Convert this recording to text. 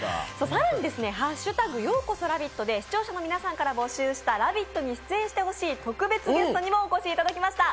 さらに「＃ようこそラヴィット」で視聴者の皆さんから募集した「ラヴィット！」に出演してほしい特別ゲストにもお越しいただきました。